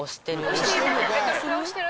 押してる？